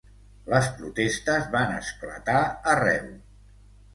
Les protestes van esclatar arreu.